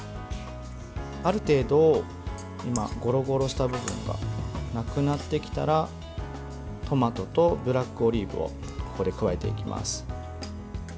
ある程度ゴロゴロした部分がなくなってきたらトマトとブラックオリーブをここで加えていきます。